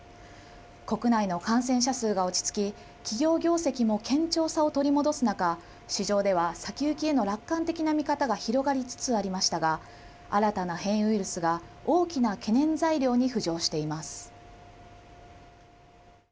国内の感染者数が落ち着き企業業績も堅調さを取り戻す中、市場では先行きへの楽観的な見方が広がりつつありましたが新たな変異ウイルスが大きな懸念材料に浮上しています。